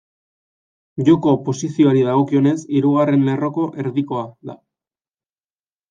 Joko posizioari dagokionez, hirugarren lerroko erdikoa da.